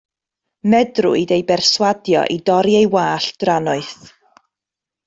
Medrwyd ei berswadio i dorri ei wallt drannoeth.